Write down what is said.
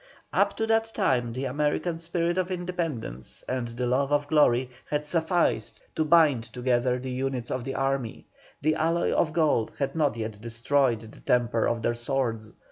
Up to that time the American spirit of independence and the love of glory had sufficed to bind together the units of the army; the alloy of gold had not yet destroyed the temper of their swords.